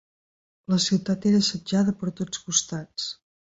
La ciutat era assetjada per tots costats.